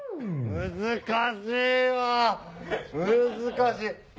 難しいわ難しい。